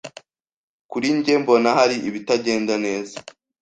Kuri njye mbona hari ibitagenda neza.